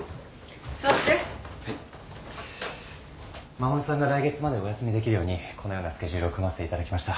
衛さんが来月までお休みできるようにこのようなスケジュールを組ませていただきました。